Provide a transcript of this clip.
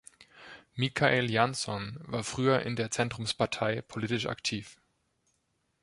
Mikael Jansson war früher in der Zentrumspartei politisch aktiv.